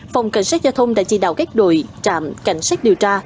phòng cảnh sát giao thông đã chỉ đạo các đội trạm cảnh sát điều tra